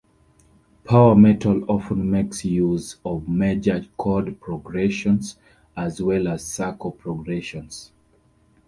Power metal often makes use of Major chord progressions as well as circle progressions.